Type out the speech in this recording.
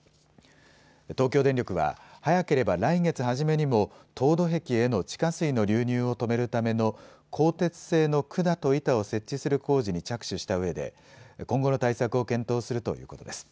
東京電力は早ければ来月初めにも凍土壁への地下水の流入を止めるための鋼鉄製の管と板を設置する工事に着手したうえで今後の対策を検討するということです。